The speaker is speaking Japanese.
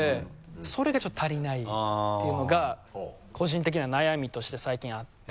それがちょっと足りないっていうのが個人的な悩みとして最近あって。